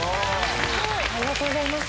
ありがとうございます。